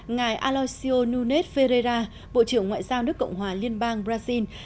ngài aloisio nunes ferreira bộ trưởng ngoại giao nước cộng hòa liên bang brazil